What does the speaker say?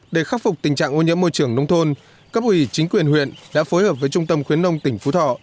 để khắc phục tình trạng ô nhớ môi trường nông thôn cấp ủy chính quyền huyện đã phối hợp với trung tâm khuyến nông tỉnh phú thọ